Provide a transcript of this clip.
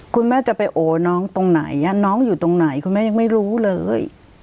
คุณแม่จะไปโอน้องตรงไหนน้องอยู่ตรงไหนคุณแม่ยังไม่รู้เลย